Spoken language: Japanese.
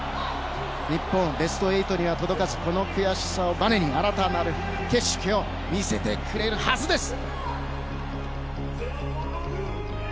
日本、ベスト８には届かずこの悔しさをばねに新たなる景色を見せてくれるはずです。